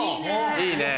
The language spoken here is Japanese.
いいね。